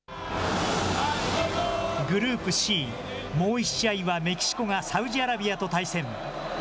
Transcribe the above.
グループＣ、もう１試合はメキシコがサウジアラビアと対戦。